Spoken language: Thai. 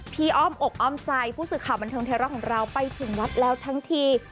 อ้อมอกอ้อมใจผู้สื่อข่าวบันเทิงไทยรัฐของเราไปถึงวัดแล้วทั้งที